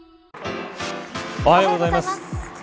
おはようございます。